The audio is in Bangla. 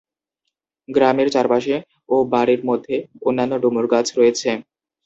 গ্রামের চারপাশে ও বাড়ির মধ্যে অন্যান্য ডুমুর গাছ রয়েছে।